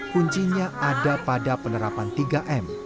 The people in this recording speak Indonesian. kuncinya ada pada penerapan tiga m